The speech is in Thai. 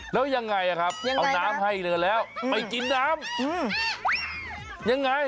แล้วยังไงครับเอาน้ำให้อีกแล้วแล้วไปจิ้นน้ำ